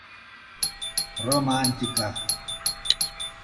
Романтика!